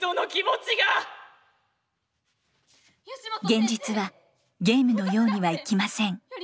現実はゲームのようにはいきません。